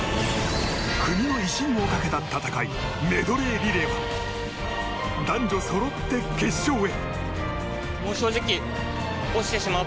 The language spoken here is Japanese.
国の威信をかけた戦いメドレーリレーは男女そろって決勝へ。